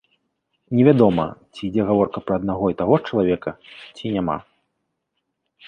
Не вядома, ці ідзе гаворка пра аднаго і таго ж чалавека, ці няма.